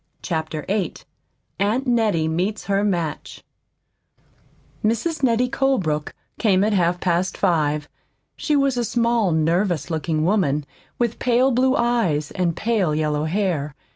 CHAPTER VIII AUNT NETTIE MEETS HER MATCH Mrs. Nettie Colebrook came at half past five. She was a small, nervous looking woman with pale blue eyes and pale yellow hair.